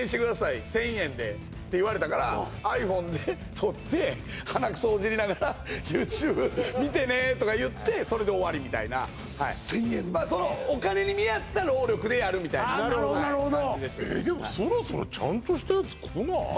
１０００円でって言われたからｉＰｈｏｎｅで撮って鼻クソほじりながら「ＹｏｕＴｕｂｅ見てね」とか言ってそれで終わりみたいな１０００円でまあそのお金に見合った労力でやるみたいなあなるほどなるほどえでもそろそろちゃんとしたやつ来ない？